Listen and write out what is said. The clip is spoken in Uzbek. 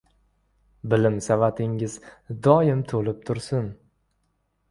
• Bilim savatingiz doim to‘lib tursin.